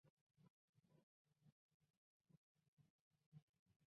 东京市民举行了盛大的庆祝活动。